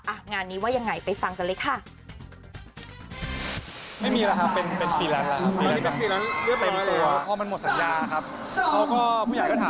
งานนี้ว่ายังไงไปฟังกันเลยค่ะ